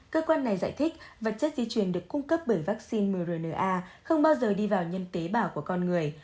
cơ quan này giải thích vật chất di chuyển được cung cấp bởi vaccine mrna không bao giờ đi vào nhân tế bào của con người